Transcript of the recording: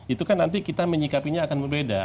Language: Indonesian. itu kan nanti kita menyikapinya akan berbeda